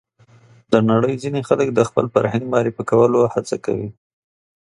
د نړۍ ځینې خلک د خپل فرهنګ معرفي کولو لپاره هڅه کوي.